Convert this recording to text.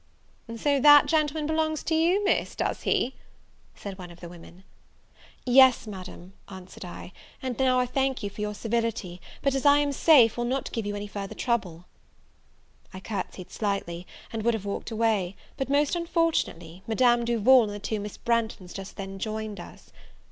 "So that gentleman belongs to you, Miss, does he?" said one of the women. "Yes, Madam," answered I, "and I now thank you for your civility; but as I am safe, will not give you any further trouble." I courtsied slightly, and would gave walked away; but, most unfortunately, Madame Duval and the two Miss Branghtons just then joined us.